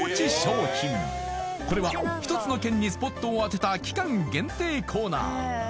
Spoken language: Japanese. これは１つの県にスポットを当てた期間限定コーナー